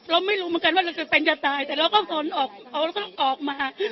เราไม่รู้เหมือนกันว่าเราจะเป็นจะตายแต่เราก็ทนออกมา